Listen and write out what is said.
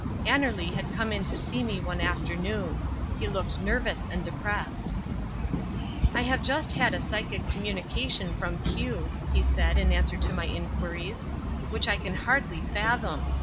Annerly had come in to see me one afternoon. He looked nervous and depressed. "I have just had a psychic communication from Q," he said in answer to my inquiries, "which I can hardly fathom.